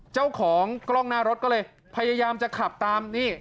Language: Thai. เจ้าของกล้องหน้ารถก็เลยพยายามจะขับตามนี่